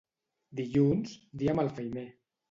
Dilluns, dia malfeiner.